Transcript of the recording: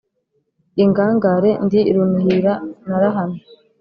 Ingangare ndi runihura narahamye